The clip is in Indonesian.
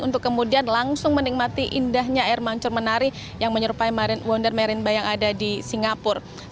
untuk kemudian langsung menikmati indahnya air mancur menari yang menyerupai wonder marinba yang ada di singapura